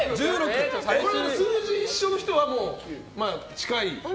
数字一緒の人は近いと？